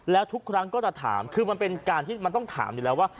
แล้วทุกครั้งก็จะถามคือมันเป็นการที่มันต้องถามอยู่แล้วว่า